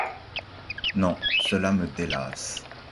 Non, cela me délasse.